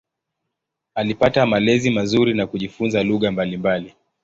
Alipata malezi mazuri na kujifunza lugha mbalimbali.